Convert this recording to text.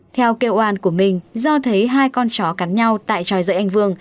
theo kêu oan của minh do thấy hai con chó cắn nhau tại tròi rơi anh vương